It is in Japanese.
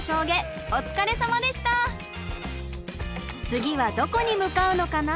次はどこに向かうのかな？